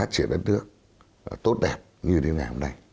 tốt đẹp như đến ngày hôm nay